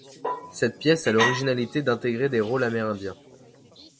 Cette pièce a l'originalité d'intégrer des rôles amérindiens.